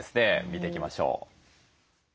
見ていきましょう。